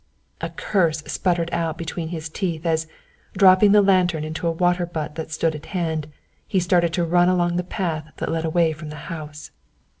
A curse spluttered out between his teeth as, dropping the lantern into a water butt that stood at hand, he started to run along the path that led away from the house.